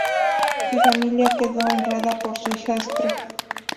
Su familia quedó honrada por su hijastro.